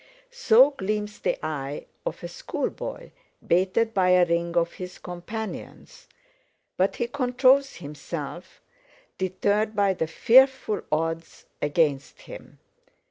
So gleams the eye of a schoolboy, baited by a ring of his companions; but he controls himself, deterred by the fearful odds against him.